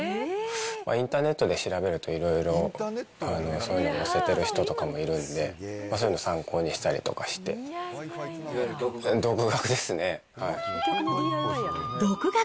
インターネットで調べると、いろいろ、そういうの載せてる人とかもいるんで、そういうのを参考にしたりいわゆる独学？